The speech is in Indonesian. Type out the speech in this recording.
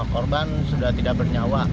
korban sudah tidak bernyawa